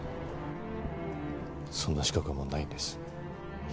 そんな資格はもうないんです。